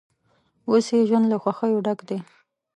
اوس یې ژوند له خوښیو ډک دی.